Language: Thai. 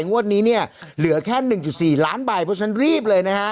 งวดนี้เนี่ยเหลือแค่๑๔ล้านใบเพราะฉะนั้นรีบเลยนะฮะ